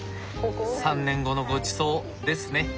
３年後のごちそうですね。